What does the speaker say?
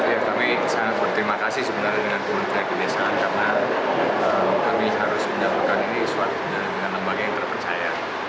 ya kami sangat berterima kasih sebenarnya dengan kementerian desa karena kami harus menjaga kebenaran ini dengan lembaga yang terpercaya